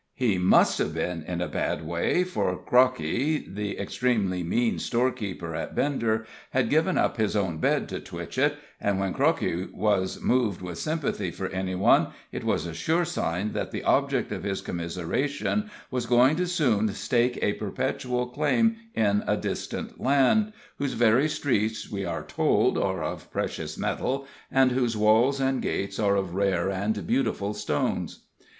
He must have been in a bad way, for Crockey, the extremely mean storekeeper at Bender, had given up his own bed to Twitchett, and when Crockey was moved with sympathy for any one, it was a sure sign that the object of his commiseration was going to soon stake a perpetual claim in a distant land, whose very streets, we are told, are of precious metal, and whose walls and gates are of rare and beautiful stones.